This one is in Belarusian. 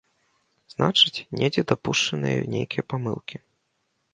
Значыць, недзе дапушчаныя нейкія памылкі.